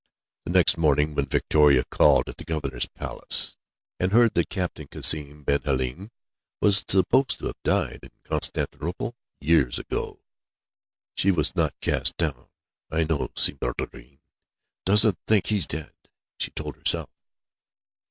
The next morning, when Victoria called at the Governor's palace, and heard that Captain Cassim ben Halim was supposed to have died in Constantinople, years ago, she was not cast down. "I know Si Maïeddine doesn't think he's dead," she told herself.